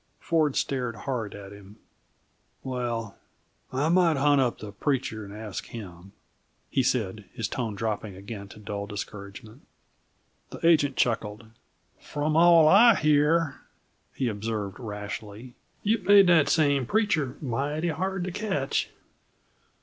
Ford stared hard at him. "Well, I might hunt up the preacher and ask him," he said, his tone dropping again to dull discouragement. The agent chuckled. "From all I hear," he observed rashly, "you've made that same preacher mighty hard to catch!"